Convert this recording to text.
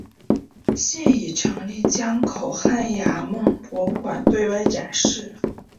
现已成立江口汉崖墓博物馆对外展示。